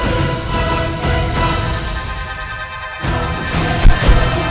penjaga yang harus dibawa ke tangsa tenggara